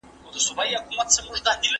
ایا ټولنیز عدالت د اقتصادي پرمختګ برخه ده؟